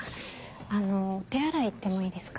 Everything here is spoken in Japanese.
あのお手洗い行ってもいいですか？